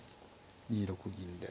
２六銀で。